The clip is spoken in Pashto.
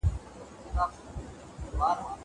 زه کولای سم سبزېجات وچوم.